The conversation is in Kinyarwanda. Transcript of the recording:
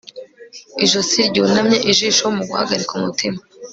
ijosi ryunamye, ijisho mu guhagarika umutima